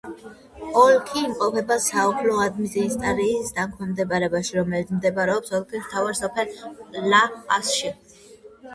ოლქი იმყოფება საოლქო ადმინისტრაციის დაქვემდებარებაში, რომელიც მდებარეობს ოლქის მთავარ სოფელ ლა-პასში.